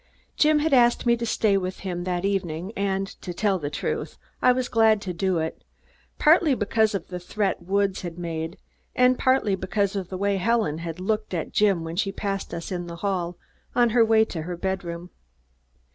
Jim had asked me to stay with him that evening and, to tell the truth, I was glad to do it, partly because of the threat Woods had made and partly because of the way Helen looked at Jim when she passed us in the hall on the way to her bedroom.